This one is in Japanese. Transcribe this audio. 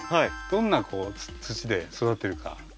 どんな土で育ってるか？